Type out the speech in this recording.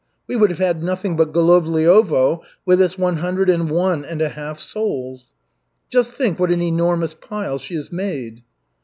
We would have had nothing but Golovliovo with its one hundred and one and a half souls. Just think what an enormous pile she has made."